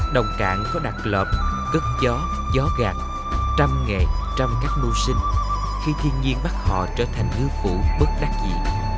đồng cạn có đặc lợp cất gió gió gạt trăm nghệ trăm cách mua sinh khi thiên nhiên bắt họ trở thành ngư phủ bất đắc gì